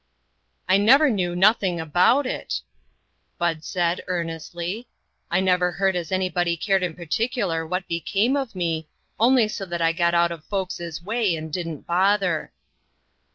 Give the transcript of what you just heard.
I NEVER knew nothing about it," Bud said, earnestly. " I never heard as any body cared in particular what became of me, only so that I got out of folks' way and didn't bother."